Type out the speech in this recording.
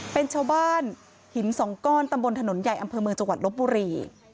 เป็นชาวบ้านหินสองก้อนตำบลถนนใหญ่อำเภอเมืองจังหวัดลบบุรี